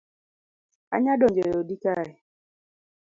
Anya donjo e odi kae